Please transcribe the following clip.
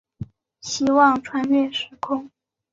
希望穿越时空